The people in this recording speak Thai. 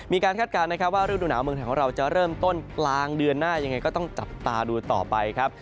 คาดการณ์นะครับว่าฤดูหนาวเมืองไทยของเราจะเริ่มต้นกลางเดือนหน้ายังไงก็ต้องจับตาดูต่อไปครับ